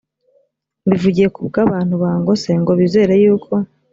mbivugiye ku bw’abantu bangose ngo bizere yuko